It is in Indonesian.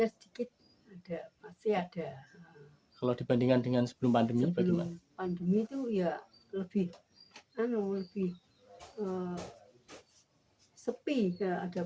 sepi ada benda yang sulit